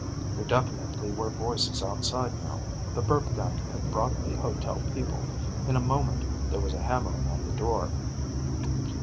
There definitely were voices outside now. The burp gun had brought the hotel people. In a moment there was a hammering on the door.